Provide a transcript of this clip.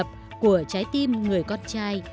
nhịp đập của trái tim người con trai